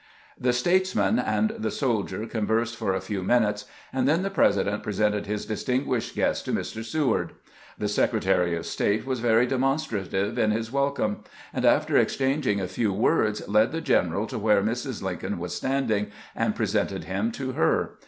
The statesman and the soldier conversed for a few minutes, and then the President presented his distin guished guest to Mr. Seward. The Secretary of State was very demonstrative in his welcome, and after ex changing a few words, led the general to where Mrs. Lincoln was standing, and presented him to her.